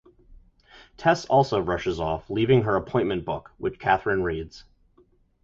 Tess also rushes off, leaving her appointment book, which Katharine reads.